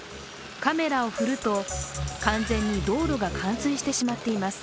カメラを振ると完全に道路が冠水してしまっています。